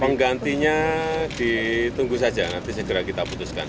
penggantinya ditunggu saja nanti segera kita putuskan